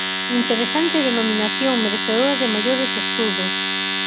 Interesante denominación, merecedora de maiores estudos.